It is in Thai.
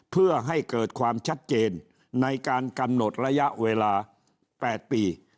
เพื่อให้เกิดความชัดเจนในการกำหนดระยะเวลา๘ปี